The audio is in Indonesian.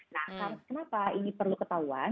nah kenapa ini perlu ketahuan